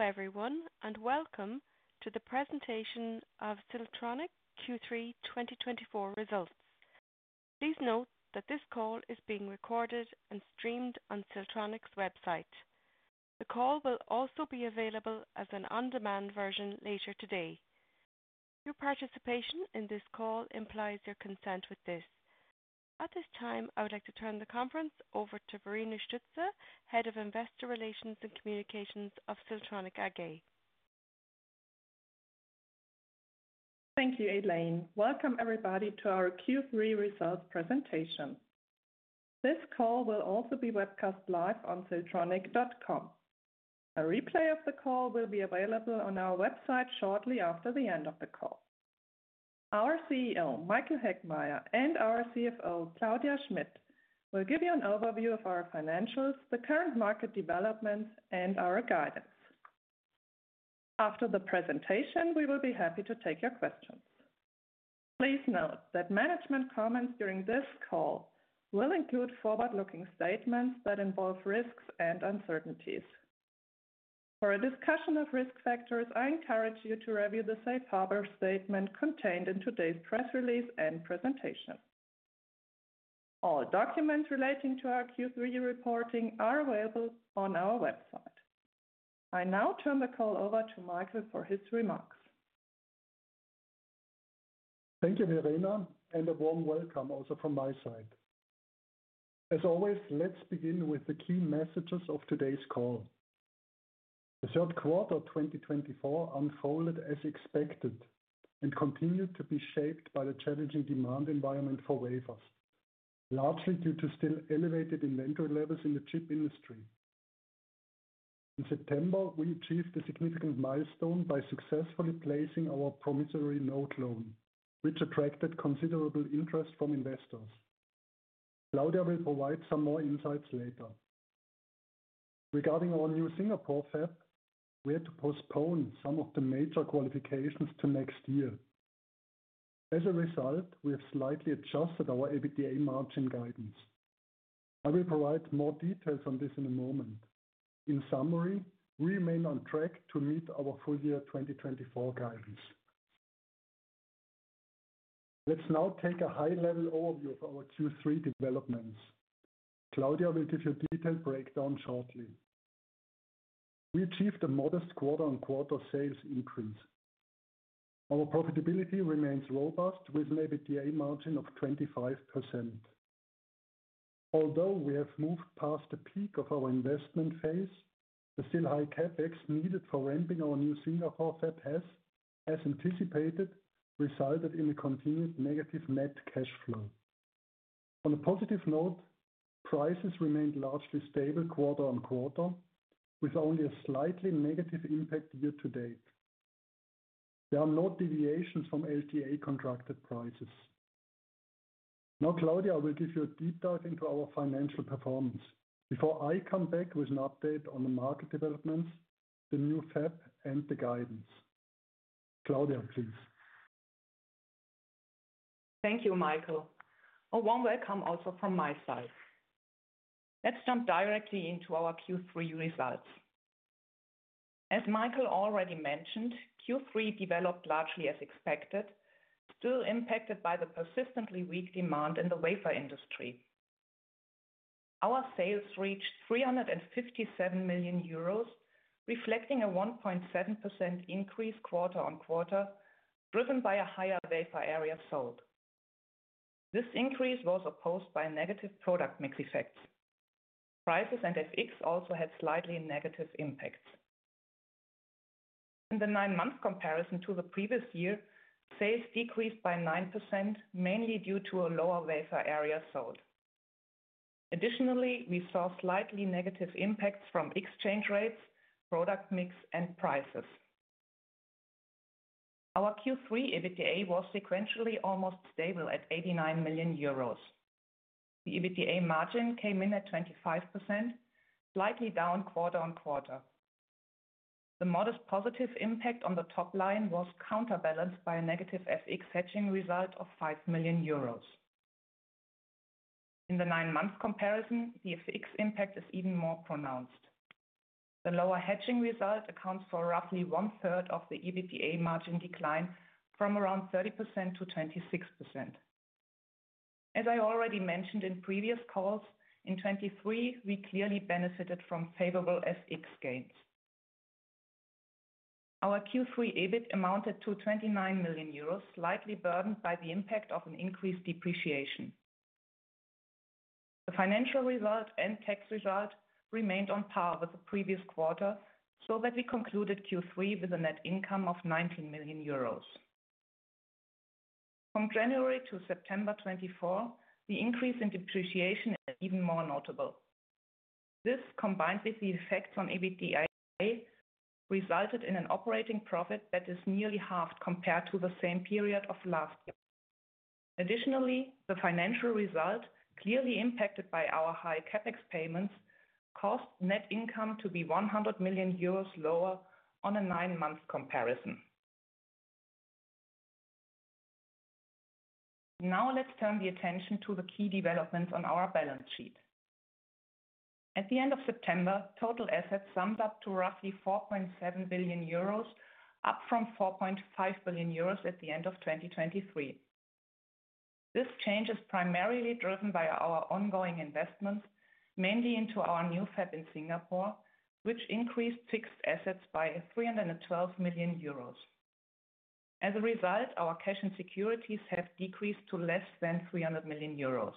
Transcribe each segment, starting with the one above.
Hello everyone, and welcome to the presentation of Siltronic Q3 2024 Results. Please note that this call is being recorded and streamed on Siltronic's website. The call will also be available as an on-demand version later today. Your participation in this call implies your consent with this. At this time, I would like to turn the conference over to Verena Stütze, Head of Investor Relations and Communications of Siltronic AG. Thank you, Elaine. Welcome everybody to our Q3 results presentation. This call will also be webcast live on siltronic.com. A replay of the call will be available on our website shortly after the end of the call. Our CEO, Michael Heckmeier, and our CFO, Claudia Schmitt, will give you an overview of our financials, the current market developments, and our guidance. After the presentation, we will be happy to take your questions. Please note that management comments during this call will include forward-looking statements that involve risks and uncertainties. For a discussion of risk factors, I encourage you to review the safe harbor statement contained in today's press release and presentation. All documents relating to our Q3 reporting are available on our website. I now turn the call over to Michael for his remarks. Thank you, Verena, and a warm welcome also from my side. As always, let's begin with the key messages of today's call. The third quarter of 2024 unfolded as expected and continued to be shaped by the challenging demand environment for wafers, largely due to still elevated inventory levels in the chip industry. In September, we achieved a significant milestone by successfully placing our promissory note loan, which attracted considerable interest from investors. Claudia will provide some more insights later. Regarding our new Singapore fab, we had to postpone some of the major qualifications to next year. As a result, we have slightly Adjusted our EBITDA margin guidance. I will provide more details on this in a moment. In summary, we remain on track to meet our full year 2024 guidance. Let's now take a high-level overview of our Q3 developments. Claudia will give you a detailed breakdown shortly. We achieved a modest quarter-on-quarter sales increase. Our profitability remains robust, with an EBITDA margin of 25%. Although we have moved past the peak of our investment phase, the still high CapEx needed for ramping our new Singapore fab has, as anticipated, resulted in a continued negative net cash flow. On a positive note, prices remained largely stable quarter-on-quarter, with only a slightly negative impact year-to-date. There are no deviations from LTA contracted prices. Now, Claudia will give you a deep dive into our financial performance before I come back with an update on the market developments, the new fab, and the guidance. Claudia, please. Thank you, Michael. A warm welcome also from my side. Let's jump directly into our Q3 results. As Michael already mentioned, Q3 developed largely as expected, still impacted by the persistently weak demand in the wafer industry. Our sales reached 357 million euros, reflecting a 1.7% increase quarter-on-quarter, driven by a higher wafer area sold. This increase was opposed by negative product mix effects. Prices and FX also had slightly negative impacts. In the nine-month comparison to the previous year, sales decreased by 9%, mainly due to a lower wafer area sold. Additionally, we saw slightly negative impacts from exchange rates, product mix, and prices. Our Q3 EBITDA was sequentially almost stable at 89 million euros. The EBITDA margin came in at 25%, slightly down quarter-on-quarter. The modest positive impact on the top line was counterbalanced by a negative FX hedging result of 5 million euros. In the nine-month comparison, the FX impact is even more pronounced. The lower hedging result accounts for roughly one-third of the EBITDA margin decline from around 30%-26%. As I already mentioned in previous calls, in 2023, we clearly benefited from favorable FX gains. Our Q3 EBIT amounted to 29 million euros, slightly burdened by the impact of an increased depreciation. The financial result and tax result remained on par with the previous quarter, so that we concluded Q3 with a net income of 19 million euros. From January to September 2024, the increase in depreciation is even more notable. This, combined with the effects on EBITDA, resulted in an operating profit that is nearly half compared to the same period of last year. Additionally, the financial result, clearly impacted by our high CapEx payments, caused net income to be 100 million euros lower on a nine-month comparison. Now let's turn the attention to the key developments on our balance sheet. At the end of September, total assets summed up to roughly 4.7 billion euros, up from 4.5 billion euros at the end of 2023. This change is primarily driven by our ongoing investments, mainly into our new fab in Singapore, which increased fixed assets by 312 million euros. As a result, our cash and securities have decreased to less than 300 million euros.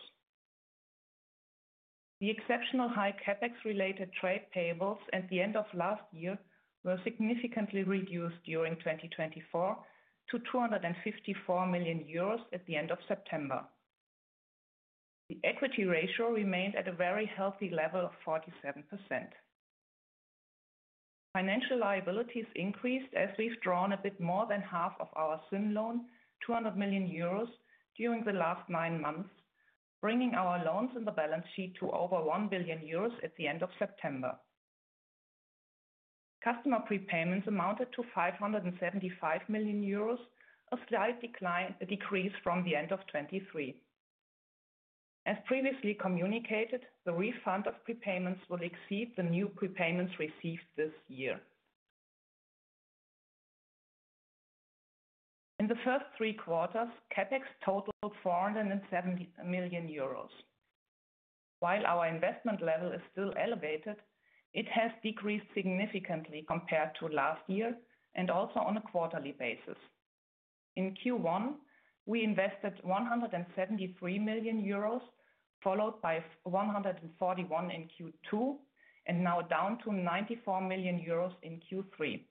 The exceptional high CapEx related trade payables at the end of last year were significantly reduced during 2024 to 254 million euros at the end of September. The equity ratio remained at a very healthy level of 47%. Financial liabilities increased as we've drawn a bit more than half of our Schuldschein loan, 200 million euros during the last nine months, bringing our loans in the balance sheet to over 1 billion euros at the end of September. Customer prepayments amounted to 575 million euros, a slight decline, a decrease from the end of 2023. As previously communicated, the refund of prepayments will exceed the new prepayments received this year. In the first three quarters, CapEx totaled 470 million euros. While our investment level is still elevated, it has decreased significantly compared to last year and also on a quarterly basis. In Q1, we invested 173 million euros, followed by 141 million in Q2, and now down to 94 million euros in Q3.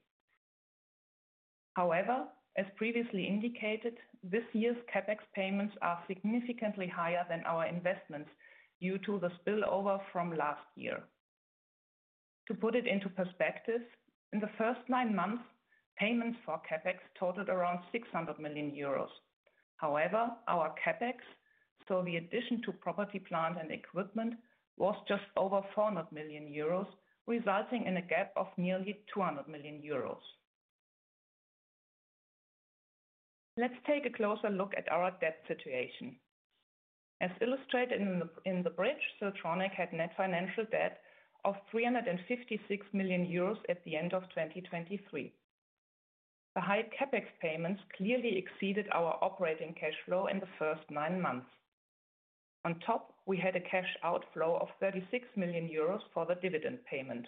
However, as previously indicated, this year's CapEx payments are significantly higher than our investments due to the spillover from last year. To put it into perspective, in the first nine months, payments for CapEx totaled around 600 million euros. However, our CapEx, so the addition to property, plant, and equipment, was just over 400 million euros, resulting in a gap of nearly 200 million euros. Let's take a closer look at our debt situation. As illustrated in the bridge, Siltronic had net financial debt of 356 million euros at the end of 2023. The high CapEx payments clearly exceeded our operating cash flow in the first nine months. On top, we had a cash outflow of 36 million euros for the dividend payment.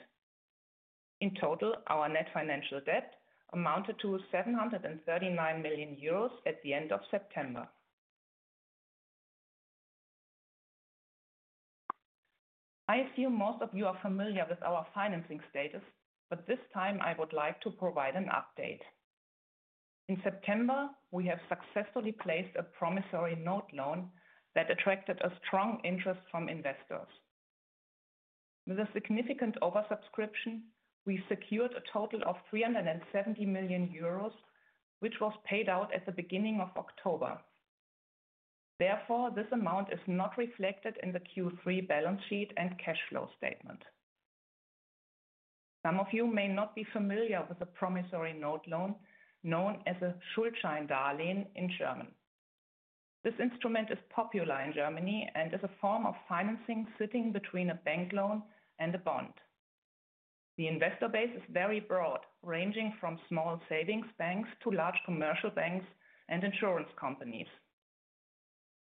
In total, our net financial debt amounted to 739 million euros at the end of September. I assume most of you are familiar with our financing status, but this time I would like to provide an update. In September, we have successfully placed a promissory note loan that attracted a strong interest from investors. With a significant oversubscription, we secured a total of 370 million euros, which was paid out at the beginning of October. Therefore, this amount is not reflected in the Q3 balance sheet and cash flow statement. Some of you may not be familiar with the promissory note loan, known as a Schuldscheindarlehen in German. This instrument is popular in Germany and is a form of financing, sitting between a bank loan and a bond. The investor base is very broad, ranging from small savings banks to large commercial banks and insurance companies.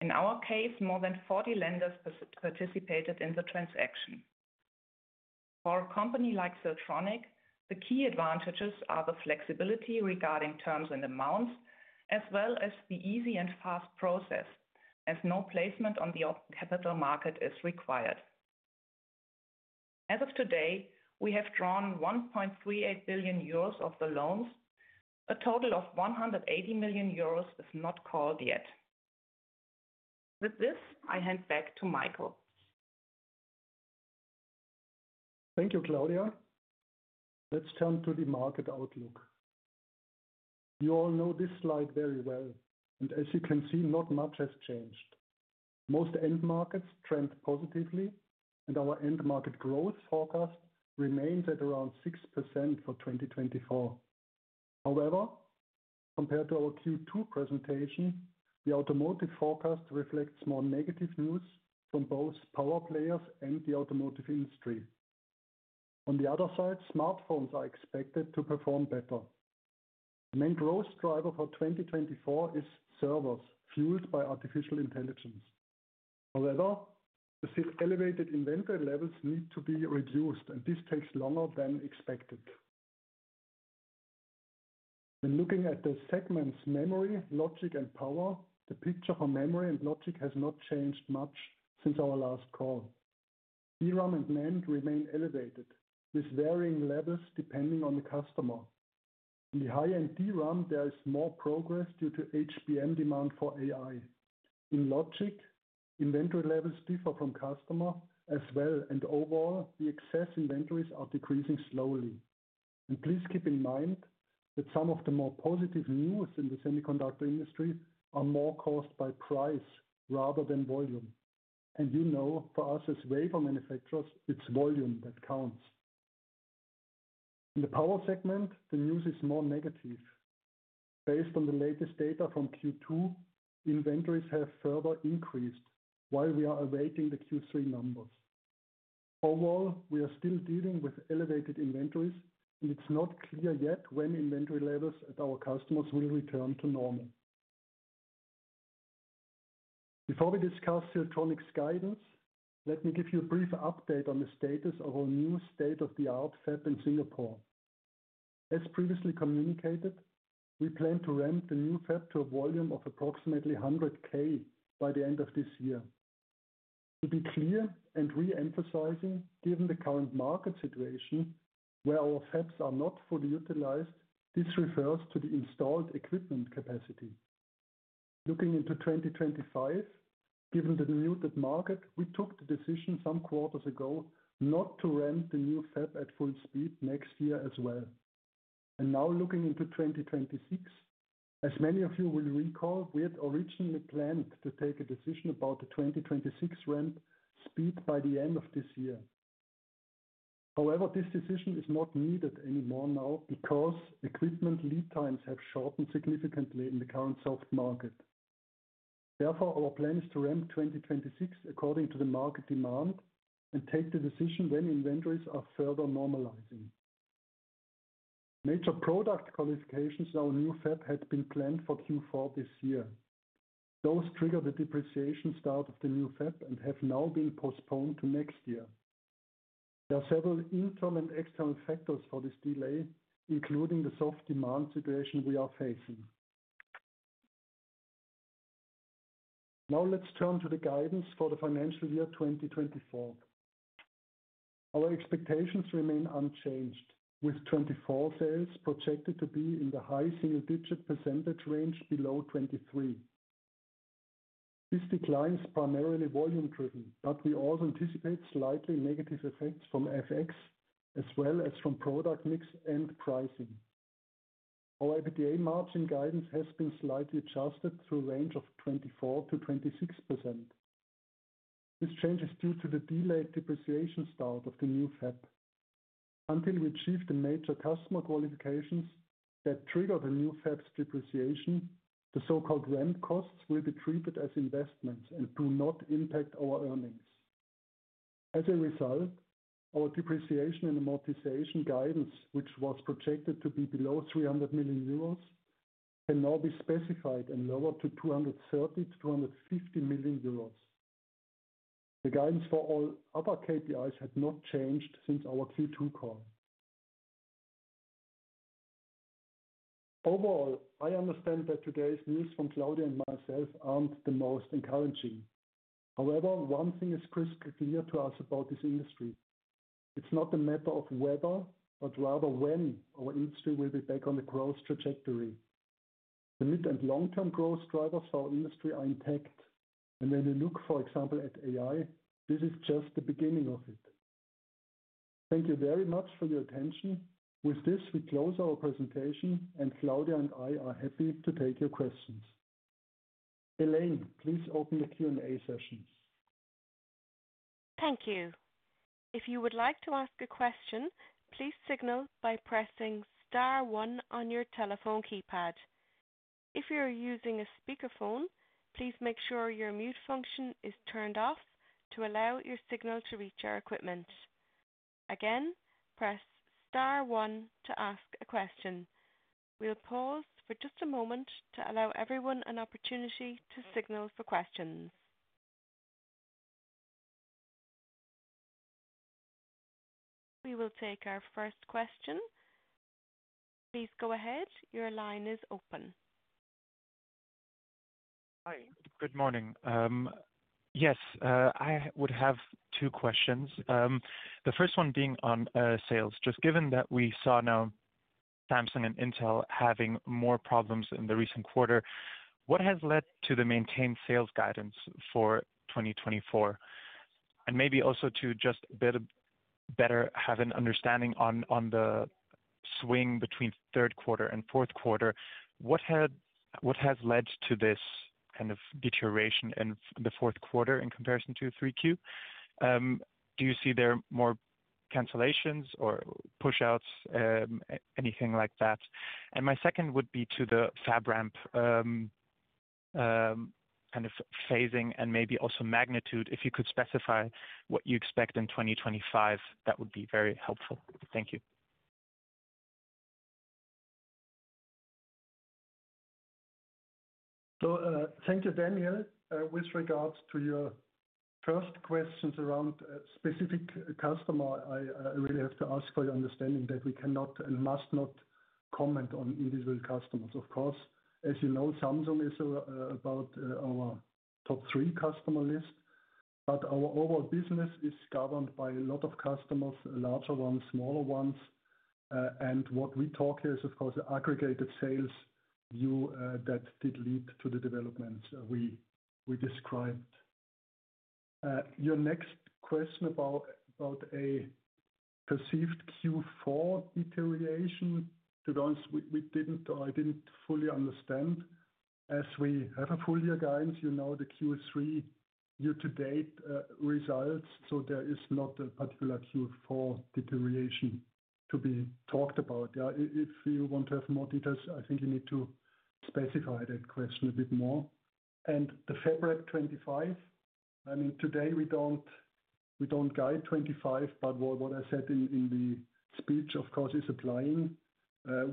In our case, more than forty lenders participated in the transaction. For a company like Siltronic, the key advantages are the flexibility regarding terms and amounts, as well as the easy and fast process, as no placement on the capital market is required. As of today, we have drawn 1.38 billion euros of the loans. A total of 180 million euros is not called yet. With this, I hand back to Michael. Thank you, Claudia. Let's turn to the market outlook. You all know this slide very well, and as you can see, not much has changed. Most end markets trend positively, and our end market growth forecast remains at around 6% for 2024. However, compared to our Q2 presentation, the automotive forecast reflects more negative news from both power players and the automotive industry. On the other side, smartphones are expected to perform better. The main growth driver for 2024 is servers, fueled by artificial intelligence. However, the elevated inventory levels need to be reduced, and this takes longer than expected. When looking at the segments, memory, logic, and power, the picture for memory and logic has not changed much since our last call. DRAM and NAND remain elevated, with varying levels depending on the customer. In the high-end DRAM, there is more progress due to HBM demand for AI. In logic, inventory levels differ from customer as well, and overall, the excess inventories are decreasing slowly, and please keep in mind that some of the more positive news in the semiconductor industry are more caused by price rather than volume, and, you know, for us as wafer manufacturers, it's volume that counts. In the power segment, the news is more negative. Based on the latest data from Q2, inventories have further increased while we are awaiting the Q3 numbers. Overall, we are still dealing with elevated inventories, and it's not clear yet when inventory levels at our customers will return to normal. Before we discuss Siltronic's guidance, let me give you a brief update on the status of our new state-of-the-art fab in Singapore. As previously communicated, we plan to ramp the new fab to a volume of approximately one hundred K by the end of this year. To be clear and re-emphasizing, given the current market situation where our fabs are not fully utilized, this refers to the installed equipment capacity. Looking into 2025, given the diluted market, we took the decision some quarters ago not to ramp the new fab at full speed next year as well. And now looking into 2026, as many of you will recall, we had originally planned to take a decision about the 2026 ramp speed by the end of this year. However, this decision is not needed anymore now because equipment lead times have shortened significantly in the current soft market. Therefore, our plan is to ramp 2026 according to the market demand and take the decision when inventories are further normalizing. Major product qualifications in our new fab had been planned for Q4 this year. Those trigger the depreciation start of the new fab and have now been postponed to next year. There are several internal and external factors for this delay, including the soft demand situation we are facing. Now let's turn to the guidance for the financial year 2024. Our expectations remain unchanged, with 2024 sales projected to be in the high single digit percentage range below 2023. This decline is primarily volume driven, but we also anticipate slightly negative effects from FX as well as from product mix and pricing. Our EBITDA margin guidance has been slightly adjusted to a range of 24%-26%. This change is due to the delayed depreciation start of the new fab. Until we achieve the major customer qualifications that trigger the new fab's depreciation, the so-called ramp costs will be treated as investments and do not impact our earnings. As a result, our depreciation and amortization guidance, which was projected to be below 300 million euros, can now be specified and lowered to 230 million-250 million euros. The guidance for all other KPIs had not changed since our Q2 call. Overall, I understand that today's news from Claudia and myself aren't the most encouraging. However, one thing is crystal clear to us about this industry. It's not a matter of whether, but rather when our industry will be back on the growth trajectory. The mid and long-term growth drivers for our industry are intact, and when we look, for example, at AI, this is just the beginning of it. Thank you very much for your attention. With this, we close our presentation, and Claudia and I are happy to take your questions. Elaine, please open the Q&A session. Thank you. If you would like to ask a question, please signal by pressing star one on your telephone keypad. If you are using a speakerphone, please make sure your mute function is turned off to allow your signal to reach our equipment. Again, press star one to ask a question. We'll pause for just a moment to allow everyone an opportunity to signal for questions. We will take our first question. Please go ahead. Your line is open. Hi. Good morning. I would have two questions. The first one being on sales. Just given that we saw now Samsung and Intel having more problems in the recent quarter, what has led to the maintained sales guidance for 2024? And maybe also to just better have an understanding on the swing between third quarter and fourth quarter, what has led to this kind of deterioration in the fourth quarter in comparison to 3Q? Do you see there more cancellations or pushouts, anything like that? And my second would be to the fab ramp, kind of phasing and maybe also magnitude. If you could specify what you expect in 2025, that would be very helpful. Thank you. Thank you, Daniel. With regards to your first questions around a specific customer, I really have to ask for your understanding that we cannot and must not comment on individual customers. Of course, as you know, Samsung is about our top three customer list, but our overall business is governed by a lot of customers, larger ones, smaller ones. And what we talk here is, of course, the aggregated sales view, that did lead to the developments we described. Your next question about a perceived Q4 deterioration, to be honest, we didn't. I didn't fully understand. As we have a full year guidance, you know, the Q3 year-to-date results, so there is not a particular Q4 deterioration to be talked about. Yeah, if you want to have more details, I think you need to specify that question a bit more. And the February 2025, I mean, today we don't, we don't guide 2025, but what I said in the speech, of course, is applying.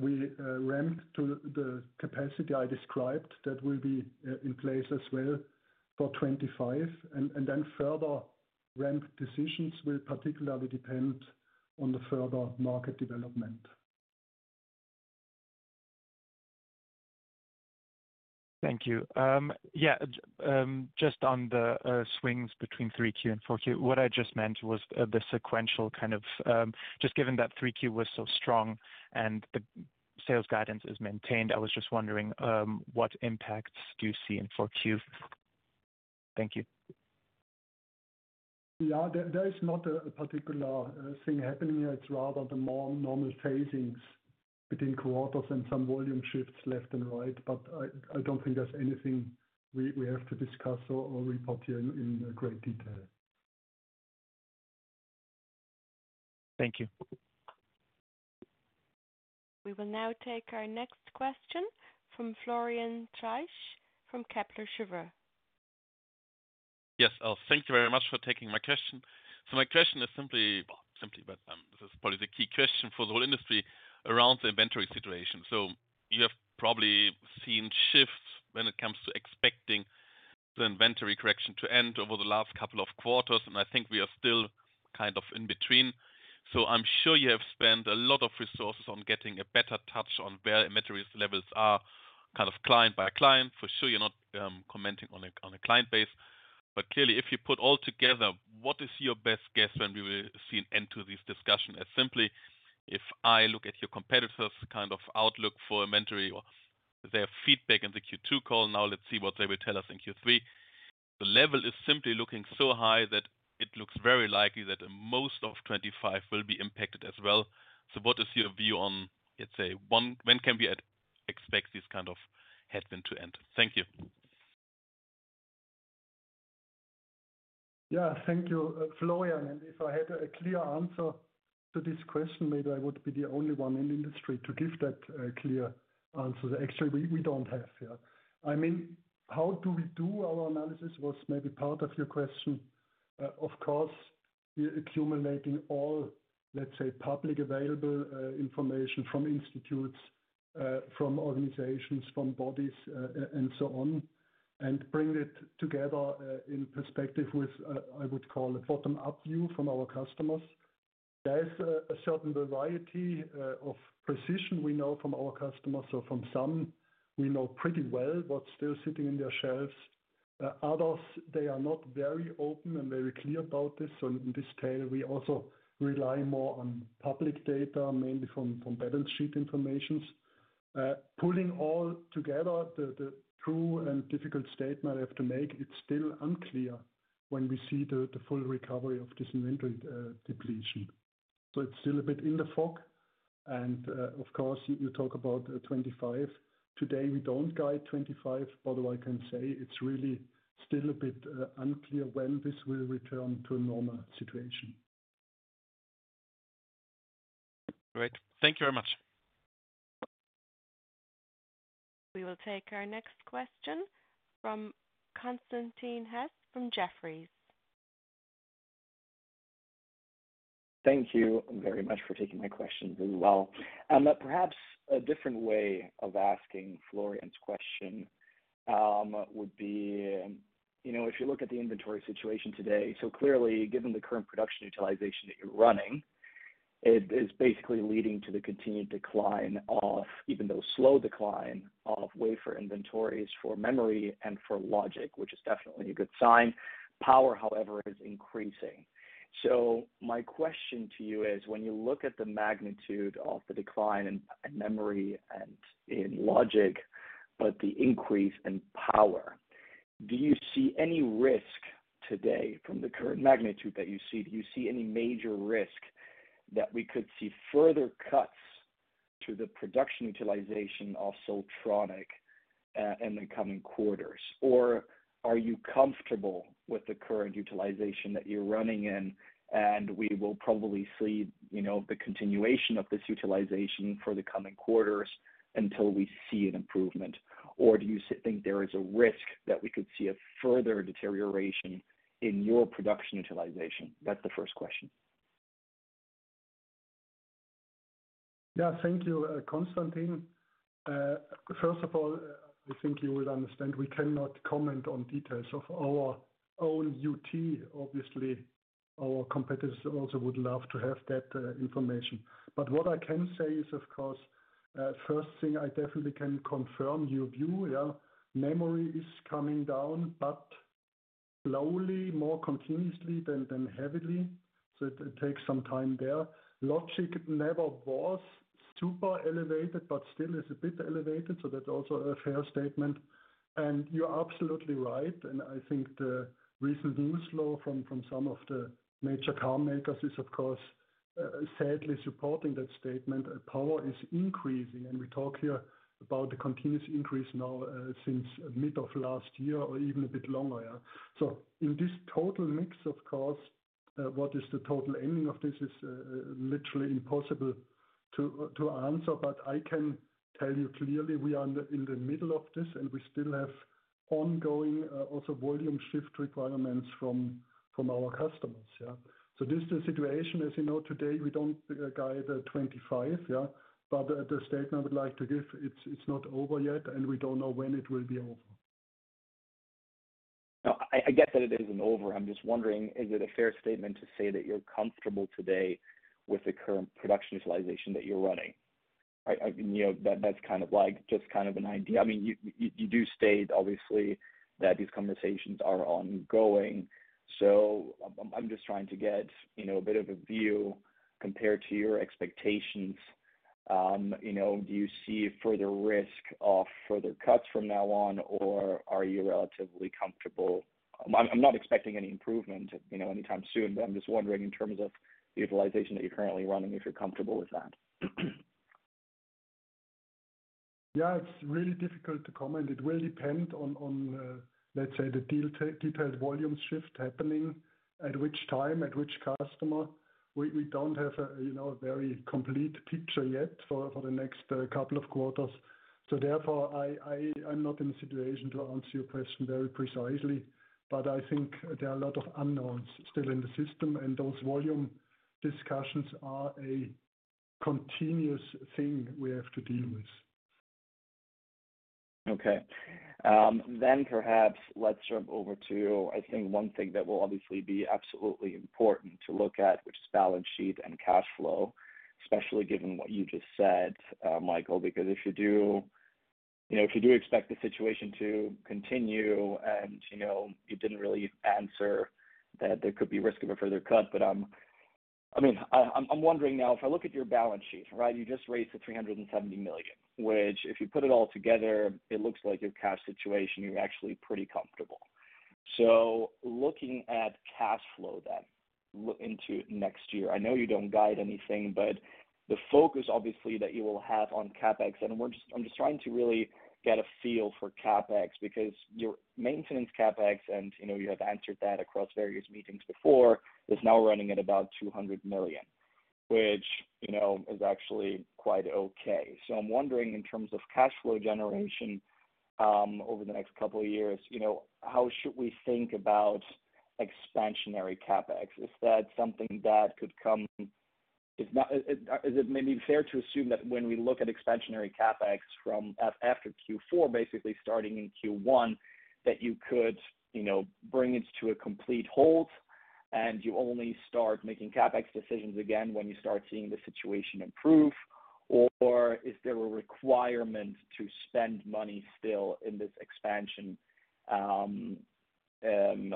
We ramped to the capacity I described. That will be in place as well for 2025, and then further ramp decisions will particularly depend on the further market development. Thank you. Yeah. Just on the swings between 3Q and 4Q, what I just meant was the sequential kind of just given that 3Q was so strong and the sales guidance is maintained. I was just wondering what impacts do you see in 4Q? Thank you. Yeah, there is not a particular thing happening. It's rather the more normal phasing between quarters and some volume shifts left and right. But I don't think there's anything we have to discuss or report here in great detail. Thank you. We will now take our next question from Florian Treisch from Kepler Cheuvreux. Yes. Thank you very much for taking my question. So my question is simply, but this is probably the key question for the whole industry around the inventory situation. So you have probably seen shifts when it comes to expecting the inventory correction to end over the last couple of quarters, and I think we are still kind of in between. So I'm sure you have spent a lot of resources on getting a better touch on where inventory levels are, kind of, client by client. For sure, you're not commenting on a client base, but clearly, if you put all together, what is your best guess when we will see an end to this discussion? As simply, if I look at your competitors kind of outlook for inventory or their feedback in the Q2 call, now let's see what they will tell us in Q3. The level is simply looking so high that it looks very likely that most of 2025 will be impacted as well. So what is your view on, let's say, when can we expect this kind of headwind to end? Thank you. Yeah. Thank you, Florian. And if I had a clear answer to this question, maybe I would be the only one in the industry to give that clear answer that actually we, we don't have here. I mean, how do we do our analysis was maybe part of your question. Of course, we are accumulating all, let's say, public available information from institutes, from organizations, from bodies, and so on, and bringing it together in perspective with, I would call a bottom up view from our customers. There is a certain variety of precision we know from our customers or from some we know pretty well, but still sitting in their shelves. Others, they are not very open and very clear about this. In this tail, we also rely more on public data, mainly from balance sheet information. Pulling all together, the true and difficult statement I have to make, it's still unclear when we see the full recovery of this inventory depletion. It's still a bit in the fog. Of course, you talk about 2025. Today, we don't guide 2025, but all I can say, it's really still a bit unclear when this will return to a normal situation. Great. Thank you very much. We will take our next question from Constantin Hesse from Jefferies. Thank you very much for taking my question as well. Perhaps a different way of asking Florian's question would be, you know, if you look at the inventory situation today, so clearly, given the current production utilization that you're running, it is basically leading to the continued, even though slow, decline of wafer inventories for memory and for logic, which is definitely a good sign. Power, however, is increasing. So my question to you is, when you look at the magnitude of the decline in memory and in logic, but the increase in power, do you see any risk today from the current magnitude that you see? Do you see any major risk that we could see further cuts to the production utilization of Siltronic in the coming quarters? Or are you comfortable with the current utilization that you're running in, and we will probably see, you know, the continuation of this utilization for the coming quarters until we see an improvement? Or do you think there is a risk that we could see a further deterioration in your production utilization? That's the first question. Yeah. Thank you, Constantin. First of all, I think you will understand, we cannot comment on details of our own UT. Obviously, our competitors also would love to have that information. But what I can say is, of course, first thing, I definitely can confirm your view. Yeah, memory is coming down, but slowly, more continuously than heavily, so it takes some time there. Logic never was super elevated, but still is a bit elevated, so that's also a fair statement. And you're absolutely right, and I think the recent news flow from some of the major car makers is, of course, sadly supporting that statement. Power is increasing, and we talk here about the continuous increase now since mid of last year or even a bit longer, yeah. So in this total mix, of course, what is the total ending of this is literally impossible to answer, but I can tell you clearly, we are in the middle of this, and we still have ongoing also volume shift requirements from our customers, yeah. So this is the situation. As you know, today, we don't guide 2025, yeah, but the statement I would like to give, it's not over yet, and we don't know when it will be over. No, I get that it isn't over. I'm just wondering, is it a fair statement to say that you're comfortable today with the current production utilization that you're running? You know, that's kind of like, just kind of an idea. I mean, you do state, obviously, that these conversations are ongoing. So I'm just trying to get, you know, a bit of a view compared to your expectations. You know, do you see further risk of further cuts from now on, or are you relatively comfortable? I'm not expecting any improvement, you know, anytime soon, but I'm just wondering, in terms of the utilization that you're currently running, if you're comfortable with that? Yeah, it's really difficult to comment. It will depend on, on, let's say, the detailed volume shift happening, at which time, at which customer. We don't have a, you know, a very complete picture yet for the next couple of quarters. So therefore, I'm not in a situation to answer your question very precisely, but I think there are a lot of unknowns still in the system, and those volume discussions are a continuous thing we have to deal with. Okay. Then perhaps let's jump over to, I think one thing that will obviously be absolutely important to look at, which is balance sheet and cash flow, especially given what you just said, Michael. Because if you do, you know, if you do expect the situation to continue, and, you know, you didn't really answer that there could be risk of a further cut. But, I mean, I'm wondering now, if I look at your balance sheet, right? You just raised 370 million, which, if you put it all together, it looks like your cash situation, you're actually pretty comfortable. So looking at cash flow then, into next year, I know you don't guide anything, but the focus, obviously, that you will have on CapEx, and I'm just trying to really get a feel for CapEx, because your maintenance CapEx and, you know, you have answered that across various meetings before, is now running at about 200 million, which, you know, is actually quite okay. So I'm wondering, in terms of cash flow generation, over the next couple of years, you know, how should we think about expansionary CapEx? Is that something that could come? If not, is it maybe fair to assume that when we look at expansionary CapEx from after Q4, basically starting in Q1, that you could, you know, bring it to a complete halt, and you only start making CapEx decisions again when you start seeing the situation improve? Or is there a requirement to spend money still in this expansion,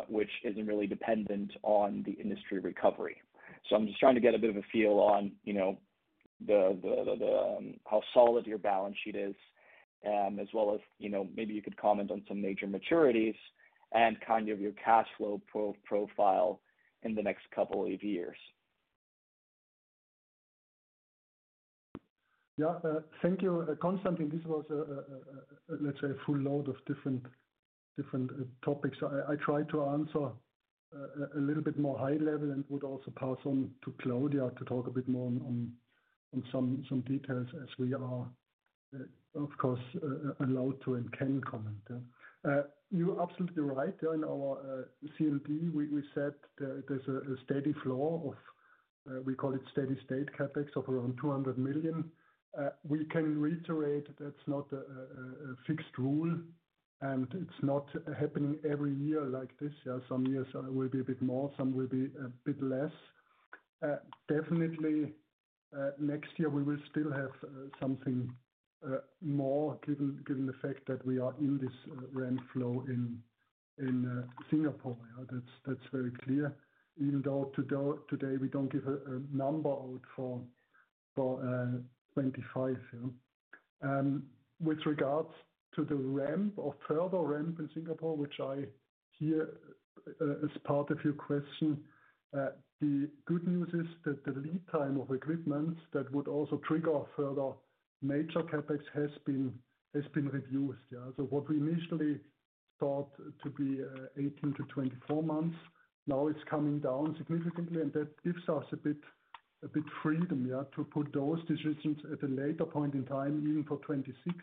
which isn't really dependent on the industry recovery? So I'm just trying to get a bit of a feel on, you know, how solid your balance sheet is, as well as, you know, maybe you could comment on some major maturities and kind of your cash flow profile in the next couple of years. Yeah, thank you, Constantin. This was, let's say, a full load of different topics. I tried to answer a little bit more high level and would also pass on to Claudia to talk a bit more on some details as we are, of course, allowed to and can comment. You're absolutely right. In our CMD, we said there, there's a steady flow of, we call it steady state CapEx of around 200 million. We can reiterate, that's not a fixed rule, and it's not happening every year like this. Yeah, some years will be a bit more, some will be a bit less. Definitely, next year we will still have something more given the fact that we are in this ramp flow in Singapore. That's, that's very clear. Even though today, we don't give a number out for 2025. With regards to the ramp or further ramp in Singapore, which I hear as part of your question, the good news is that the lead time of equipment that would also trigger further major CapEx has been reduced. Yeah, so what we initially thought to be 18-24 months, now it's coming down significantly, and that gives us a bit freedom, yeah, to put those decisions at a later point in time, even for 2026.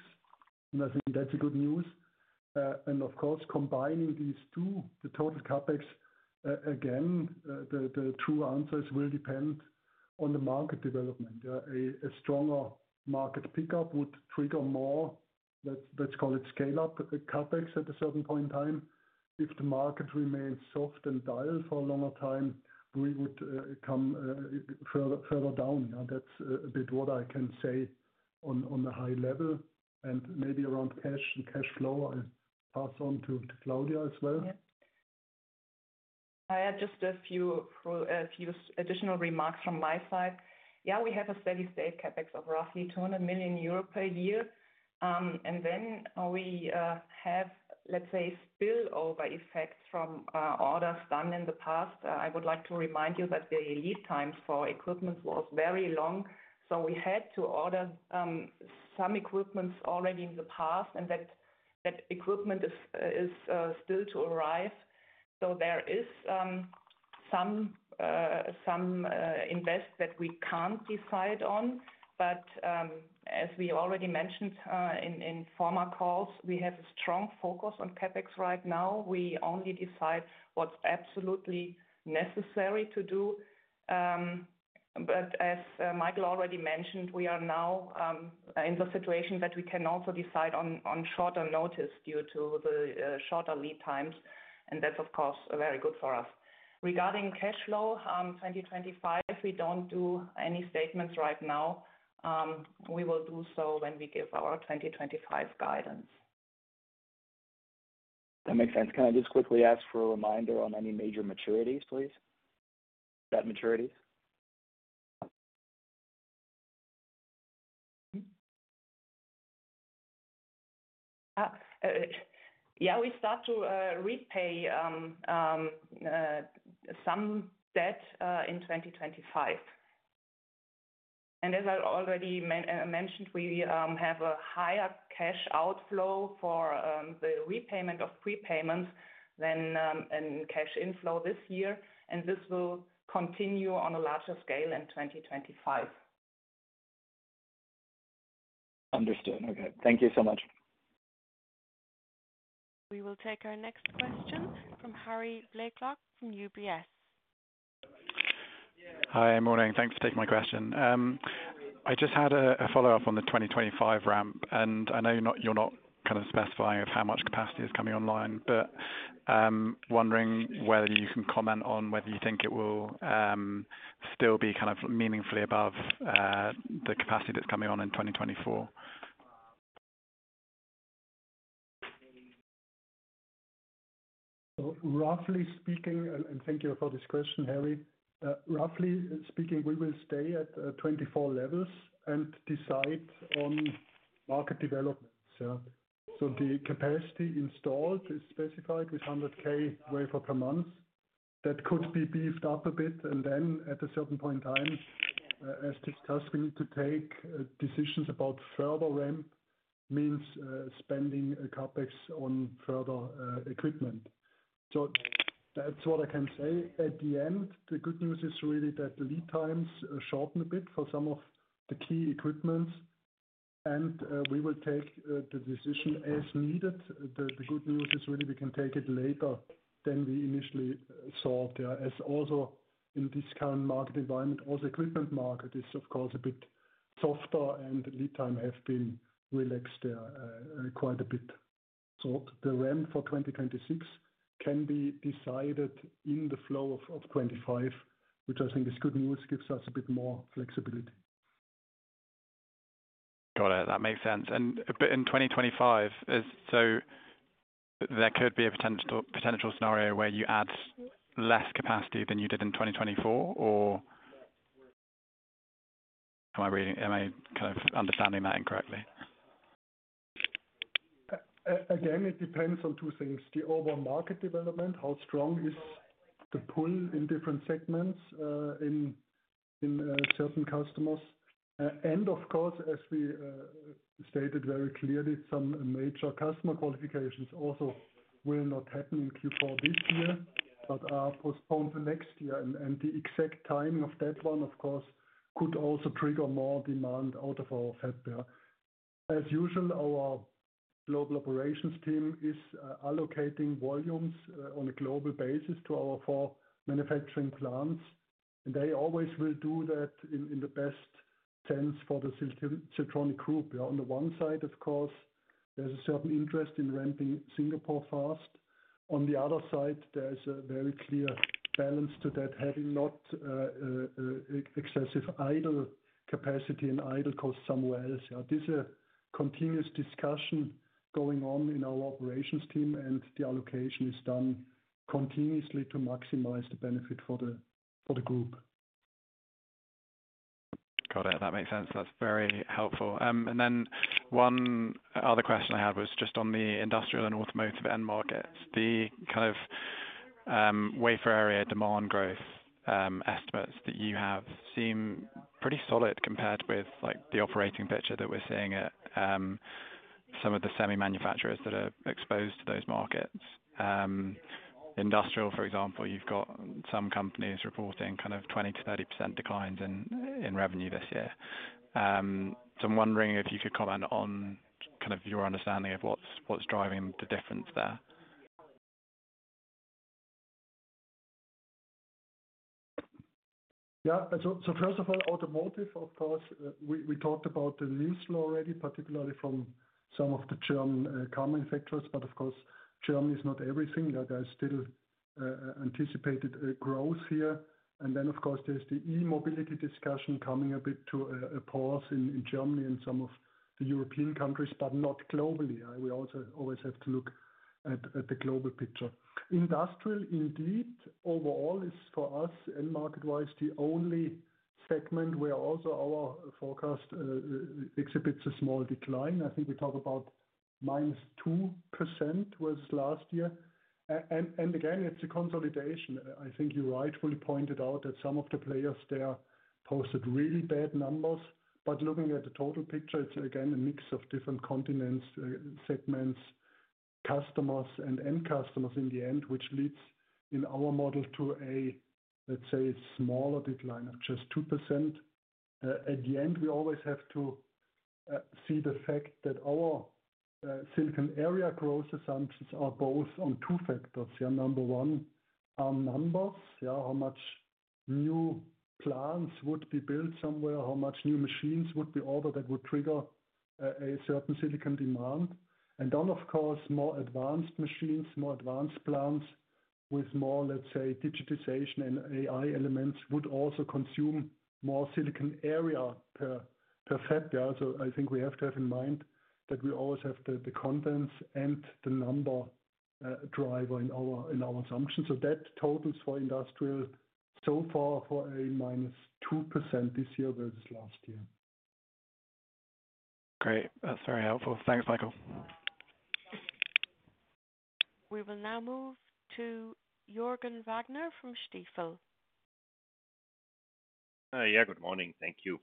And I think that's a good news. And of course, combining these two, the total CapEx, the two answers will depend on the market development. Yeah, a stronger market pickup would trigger more. Let's call it scale up the CapEx at a certain point in time. If the market remains soft and dull for a longer time, we would come further down. That's a bit what I can say on a high level, and maybe around cash and cash flow, I'll pass on to Claudia as well. Yeah. I have just a few additional remarks from my side. Yeah, we have a steady state CapEx of roughly 200 million euro per year. And then we have, let's say, spill over effects from orders done in the past. I would like to remind you that the lead times for equipment was very long, so we had to order some equipments already in the past, and that equipment is still to arrive. So there is some investment that we can't decide on. But, as we already mentioned, in former calls, we have a strong focus on CapEx right now. We only decide what's absolutely necessary to do. But as Michael already mentioned, we are now in the situation that we can also decide on shorter notice due to the shorter lead times, and that's, of course, very good for us. Regarding cash flow, 2025, we don't do any statements right now. We will do so when we give our 2025 guidance. That makes sense. Can I just quickly ask for a reminder on any major maturities, please? Yeah, we start to repay some debt in 2025. As I already mentioned, we have a higher cash outflow for the repayment of prepayments than in cash inflow this year, and this will continue on a larger scale in 2025. Understood. Okay, thank you so much. We will take our next question from Harry Blaiklock, from UBS. Hi, morning. Thanks for taking my question. I just had a follow-up on the 2025 ramp, and I know you're not kind of specifying how much capacity is coming online, but wondering whether you can comment on whether you think it will still be kind of meaningfully above the capacity that's coming on in 2024? So roughly speaking, and thank you for this question, Harry. Roughly speaking, we will stay at 24 levels and decide on market developments. So the capacity installed is specified with 100K wafer per month. That could be beefed up a bit, and then at a certain point in time, as discussed, we need to take decisions about further ramp, means spending a CapEx on further equipment. So that's what I can say. At the end, the good news is really that the lead times shorten a bit for some of the key equipments, and we will take the decision as needed. The good news is really we can take it later than we initially thought. As also in this current market environment, all the equipment market is of course a bit softer, and lead time have been relaxed quite a bit. So the ramp for 2026 can be decided in the flow of 2025, which I think is good news, gives us a bit more flexibility. Got it. That makes sense. But in 2025, is there a potential scenario where you add less capacity than you did in 2024? Or am I kind of understanding that incorrectly? Again, it depends on two things: the overall market development, how strong is the pull in different segments, in certain customers. And of course, as we stated very clearly, some major customer qualifications also will not happen in Q4 this year, but are postponed to next year. The exact timing of that one, of course, could also trigger more demand out of our fab there. As usual, our global operations team is allocating volumes on a global basis to our four manufacturing plants, and they always will do that in the best sense for the Siltronic group. On the one side, of course, there's a certain interest in ramping Singapore fast. On the other side, there's a very clear balance to that, having not excessive idle capacity and idle cost somewhere else. Yeah, this a continuous discussion going on in our operations team, and the allocation is done continuously to maximize the benefit for the, for the group. Got it. That makes sense. That's very helpful. And then one other question I had was just on the industrial and automotive end markets. The kind of wafer area demand growth estimates that you have seem pretty solid compared with, like, the operating picture that we're seeing at some of the semi manufacturers that are exposed to those markets. Industrial, for example, you've got some companies reporting kind of 20%-30% declines in revenue this year. So I'm wondering if you could comment on kind of your understanding of what's driving the difference there? Yeah. So, so first of all, automotive, of course, we talked about the news flow already, particularly from some of the German car manufacturers. But of course, Germany is not everything. Like, I still anticipated a growth here. And then, of course, there's the e-mobility discussion coming a bit to a pause in Germany and some of the European countries, but not globally. We also always have to look at the global picture. Industrial, indeed, overall is for us and market-wise, the only segment where also our forecast exhibits a small decline. I think we talk about -2% versus last year. And again, it's a consolidation. I think you rightfully pointed out that some of the players there posted really bad numbers. But looking at the total picture, it's again a mix of different continents, segments, customers and end customers in the end, which leads in our model to a, let's say, smaller decline of just 2%. At the end, we always have to see the fact that our silicon area growth assumptions are both on two factors. Number one, our numbers. How much new plants would be built somewhere, how much new machines would be ordered that would trigger a certain silicon demand. And then, of course, more advanced machines, more advanced plants with more, let's say, digitization and AI elements, would also consume more silicon area per factory. So I think we have to have in mind that we always have the contents and the number driver in our assumptions. So that totals for industrial so far for a -2% this year versus last year. Great, that's very helpful. Thanks, Michael. We will now move to Jürgen Wagner from Stifel. Yeah, good morning. Thank you.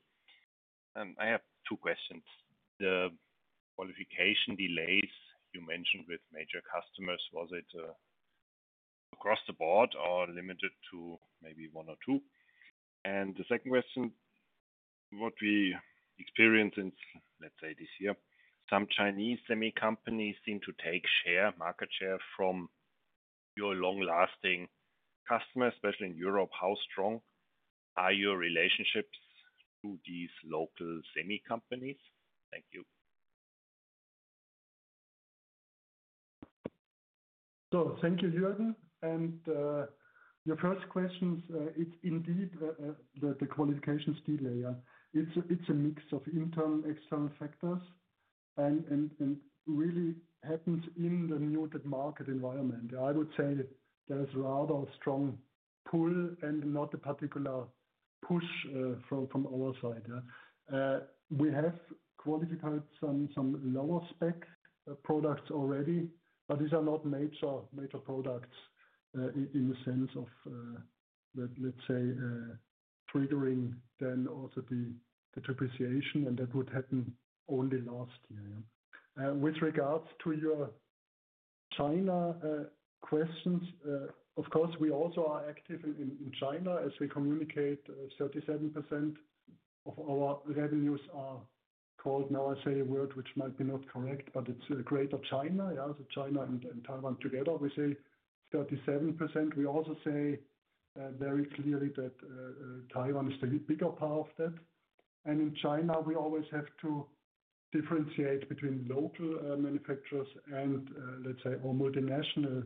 I have two questions. The qualification delays you mentioned with major customers, was it across the board or limited to maybe one or two? And the second question, what we experienced in, let's say, this year, some Chinese semi companies seem to take share, market share from your long lasting customers, especially in Europe. How strong are your relationships to these local semi companies? Thank you. Thank you, Jürgen. Your first question, it's indeed the qualifications delay. It's a mix of internal and external factors and really happens in the noted market environment. I would say there is rather strong pull and not a particular push from our side. We have qualified some lower spec products already, but these are not major products in the sense of, let's say, triggering then also the depreciation, and that would happen only last year. With regards to your China questions, of course, we also are active in China, as we communicate. 37% of our revenues are called now, I say a word which might be not correct, but it's Greater China. Yeah, so China and Taiwan together, we say 37%. We also say very clearly that Taiwan is the bigger part of that. And in China, we always have to differentiate between local manufacturers and let's say all multinational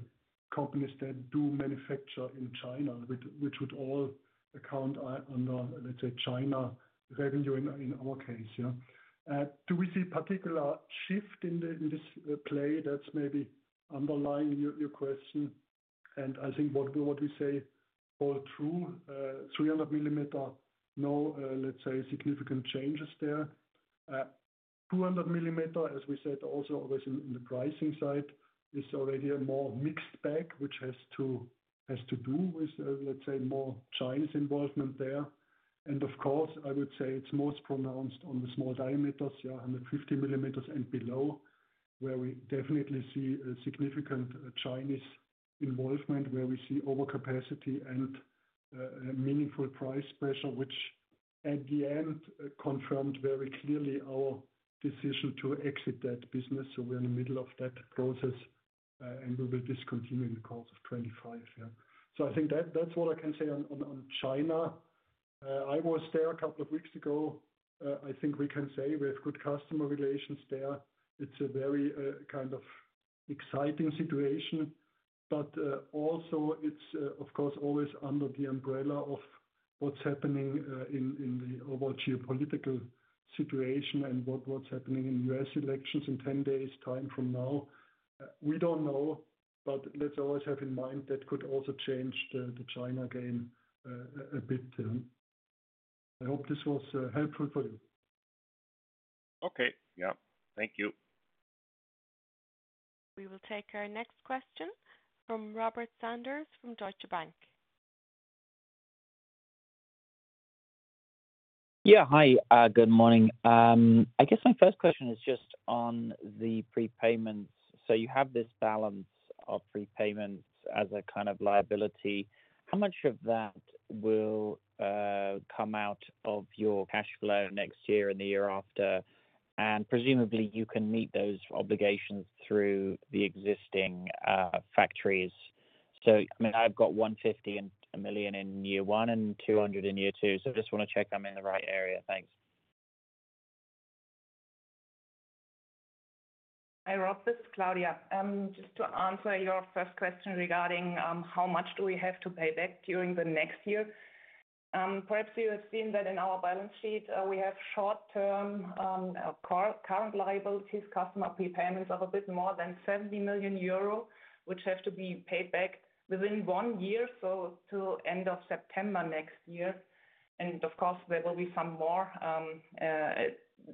companies that do manufacture in China, which would all account on the let's say China revenue in our case, yeah. Do we see particular shift in the in this play? That's maybe underlying your your question, and I think what we what we say all through three hundred millimeter, no, let's say significant changes there. Two hundred millimeter, as we said, also always in in the pricing side, is already a more mixed bag, which has to has to do with let's say more Chinese involvement there. And of course, I would say it's most pronounced on the small diameters, yeah, 150 mm and below, where we definitely see a significant Chinese involvement, where we see overcapacity and a meaningful price pressure, which at the end confirmed very clearly our decision to exit that business. So we're in the middle of that process, and we will discontinue in the course of 2025. Yeah. I think that's what I can say on China. I was there a couple of weeks ago. I think we can say we have good customer relations there. It's a very kind of exciting situation, but also it's, of course, always under the umbrella of what's happening in the overall geopolitical situation and what's happening in U.S. elections in ten days' time from now. We don't know, but let's always have in mind that could also change the China game a bit. I hope this was helpful for you. Okay. Yeah. Thank you. We will take our next question from Robert Sanders, from Deutsche Bank. Yeah. Hi, good morning. I guess my first question is just on the prepayments. So you have this balance of prepayments as a kind of liability. How much of that will come out of your cash flow next year and the year after? And presumably, you can meet those obligations through the existing factories. So, I mean, I've got 150 million and 1 million in year one and 200 million in year two, so just want to check I'm in the right area. Thanks. Hi, Rob, this is Claudia. Just to answer your first question regarding how much do we have to pay back during the next year?... Perhaps you have seen that in our balance sheet, we have short term current liabilities, customer prepayments of a bit more than 70 million euro, which have to be paid back within one year, so to end of September next year. And of course, there will be some more.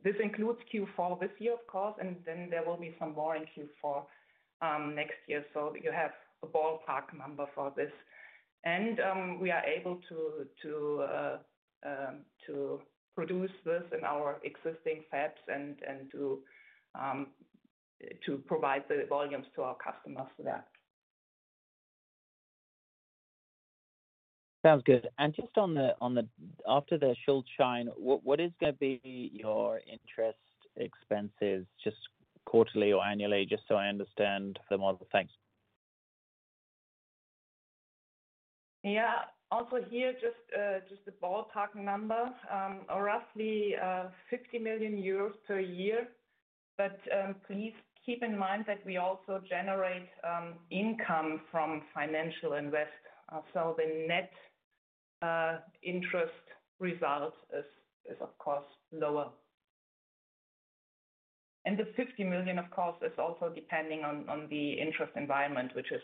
This includes Q4 this year, of course, and then there will be some more in Q4 next year. So you have a ballpark number for this. And we are able to produce this in our existing fabs and to provide the volumes to our customers for that. Sounds good. And just on the after the Schuldschein, what is going to be your interest expenses, just quarterly or annually? Just so I understand the model. Thanks. Yeah. Also here, just a ballpark number, roughly 50 million euros per year. But please keep in mind that we also generate income from financial invest. So the net interest result is, of course, lower. And the 50 million, of course, is also depending on the interest environment, which is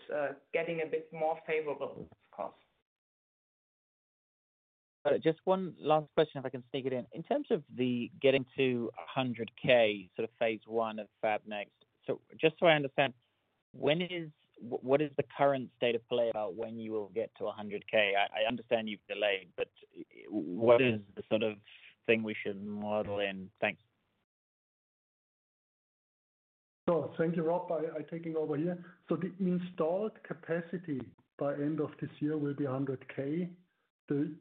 getting a bit more favorable, of course. Just one last question, if I can sneak it in. In terms of the getting to a 100K, sort of phase one of FabNext. So just so I understand, when is, what is the current state of play about when you will get to a 100K? I understand you've delayed, but what is the sort of thing we should model in? Thanks. Thank you, Rob. I'm taking over here. The installed capacity by end of this year will be 100K. The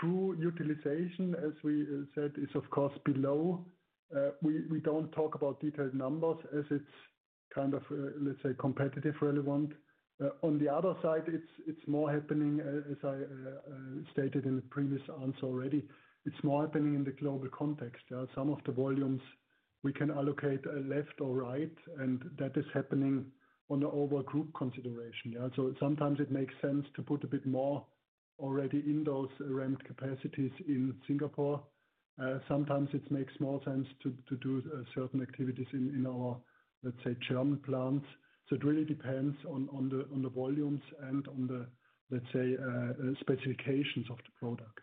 true utilization, as we said, is of course below. We don't talk about detailed numbers as it's kind of, let's say, competitively relevant. On the other side, it's more happening, as I stated in the previous answer already. It's more happening in the global context. Yeah. Some of the volumes we can allocate left or right, and that is happening on the overall group consideration, yeah. So sometimes it makes sense to put a bit more already in those new capacities in Singapore. Sometimes it makes more sense to do certain activities in our, let's say, German plant. So it really depends on the volumes and on the, let's say, specifications of the products.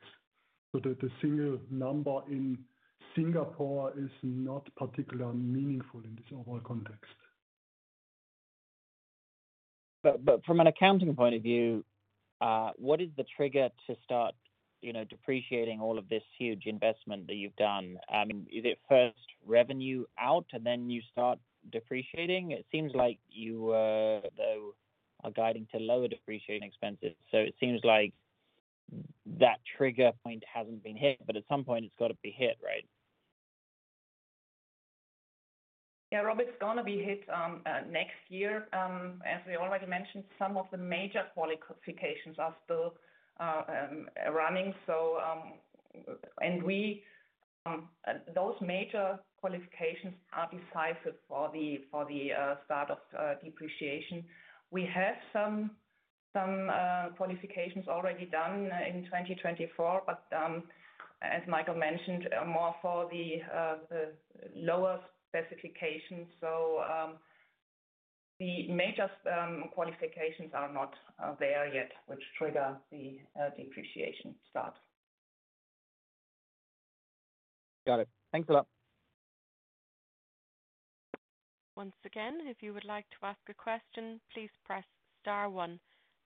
So the single number in Singapore is not particularly meaningful in this overall context. But from an accounting point of view, what is the trigger to start, you know, depreciating all of this huge investment that you've done? I mean, is it first revenue out and then you start depreciating? It seems like you, though, are guiding to lower depreciating expenses. So it seems like that trigger point hasn't been hit, but at some point it's got to be hit, right? Yeah, Rob, it's going to be hit next year. As we already mentioned, some of the major qualifications are still running, so those major qualifications are decisive for the start of depreciation. We have some qualifications already done in 2024, but as Michael mentioned, more for the lower specifications, so the major qualifications are not there yet, which trigger the depreciation start. Got it. Thanks a lot. Once again, if you would like to ask a question, please press Star one.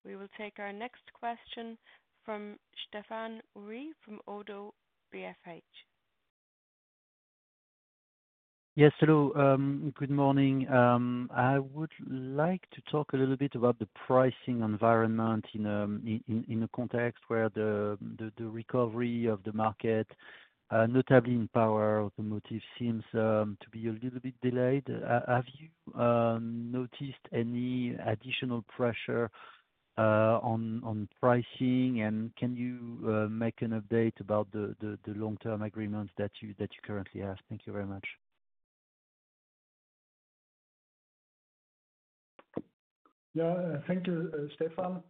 We will take our next question from Stéphane Houri from ODDO BHF. Yes, hello. Good morning. I would like to talk a little bit about the pricing environment in a context where the recovery of the market, notably in power automotive, seems to be a little bit delayed. Have you noticed any additional pressure on pricing? And can you make an update about the long-term agreements that you currently have? Thank you very much. Yeah. Thank you, Stéphane.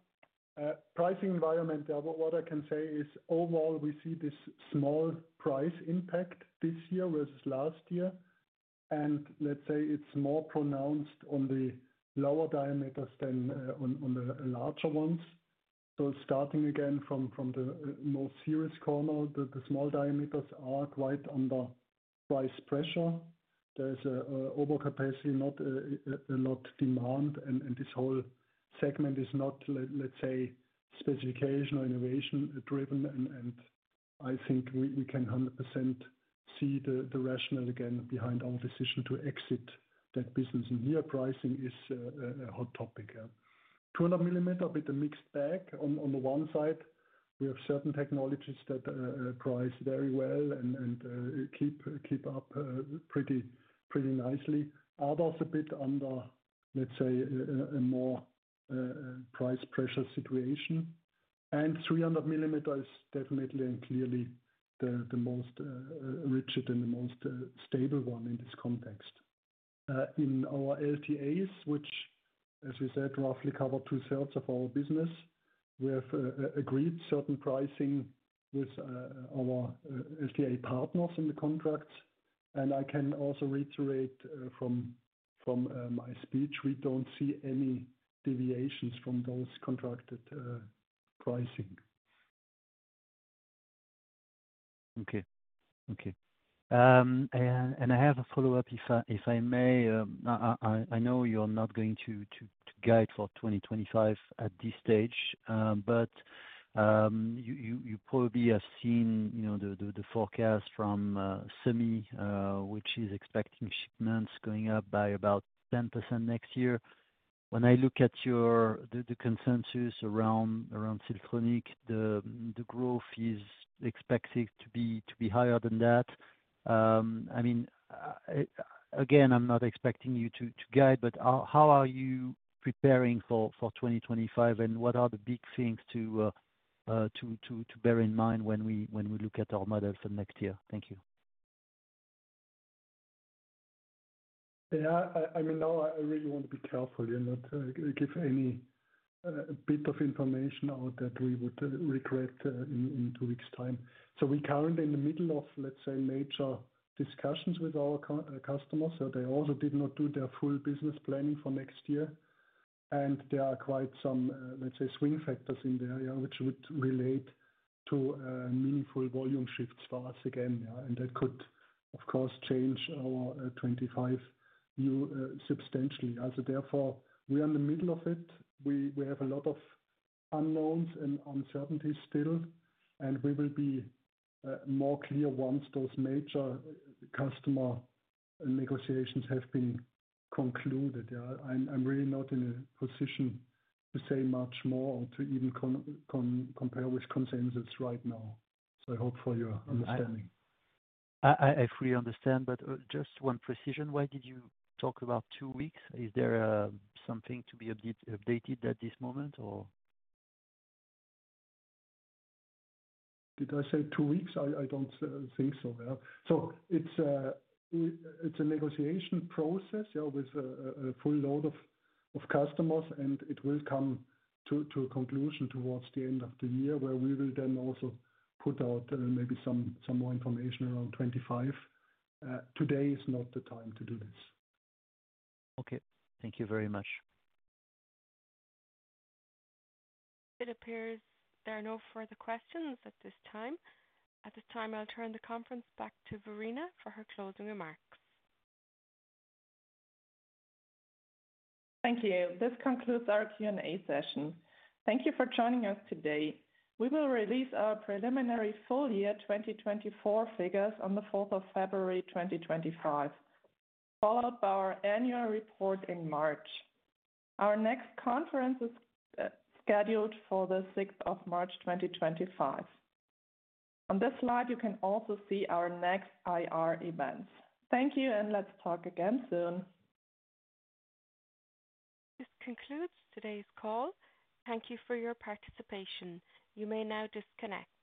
Pricing environment, what I can say is overall, we see this small price impact this year versus last year, and let's say it's more pronounced on the lower diameters than on the larger ones. So starting again from the most serious corner, the small diameters are quite under price pressure. There's an overcapacity, not a lot demand, and this whole segment is not, let's say, specification or innovation driven, and I think we can 100% see the rationale again behind our decision to exit that business. Here, pricing is a hot topic. Yeah. 200 mm with a mixed bag. On the one side, we have certain technologies that price very well and keep up pretty nicely. Others a bit under, let's say, a more price pressure situation, and three hundred millimeter is definitely and clearly the most rigid and the most stable one in this context. In our LTAs, which, as you said, roughly cover two-thirds of our business. We have agreed certain pricing with our LTA partners in the contracts, and I can also reiterate from my speech, we don't see any deviations from those contracted pricing. Okay. Okay. And I have a follow-up, if I may. I know you're not going to guide for 2025 at this stage, but you probably have seen, you know, the forecast from SEMI, which is expecting shipments going up by about 10% next year. When I look at the consensus around Siltronic, the growth is expected to be higher than that. I mean, again, I'm not expecting you to guide, but how are you preparing for 2025, and what are the big things to bear in mind when we look at our models for next year? Thank you. Yeah, I mean, now, I really want to be careful and not give any bit of information out that we would regret in two weeks' time. So we're currently in the middle of, let's say, major discussions with our customers, so they also did not do their full business planning for next year. And there are quite some, let's say, swing factors in the area which would relate to meaningful volume shifts for us again. Yeah, and that could, of course, change our 2025 view substantially. As therefore, we are in the middle of it. We have a lot of unknowns and uncertainties still, and we will be more clear once those major customer negotiations have been concluded. Yeah, I'm really not in a position to say much more or to even compare with consensus right now. So I hope for your understanding. I fully understand, but just one precision. Why did you talk about two weeks? Is there something to be update, updated at this moment, or? Did I say two weeks? I don't think so. Yeah. So it's a negotiation process, yeah, with a full load of customers, and it will come to a conclusion towards the end of the year, where we will then also put out maybe some more information around 2025. Today is not the time to do this. Okay. Thank you very much. It appears there are no further questions at this time. At this time, I'll turn the conference back to Verena for her closing remarks. Thank you. This concludes our Q&A session. Thank you for joining us today. We will release our preliminary full year 2024 figures on the fourth of February, 2025, followed by our annual report in March. Our next conference is scheduled for the sixth of March, 2025. On this slide, you can also see our next IR events. Thank you, and let's talk again soon. This concludes today's call. Thank you for your participation. You may now disconnect.